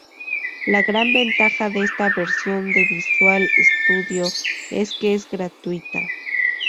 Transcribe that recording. La gran ventaja de esta versión de Visual Studio es que es gratuita.